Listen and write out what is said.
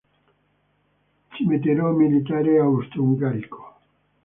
Cimitero militare austro-ungarico